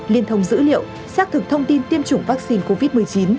liên thông dữ liệu xác thực thông tin tiêm chủng vaccine covid một mươi chín